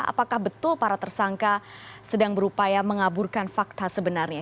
apakah betul para tersangka sedang berupaya mengaburkan fakta sebenarnya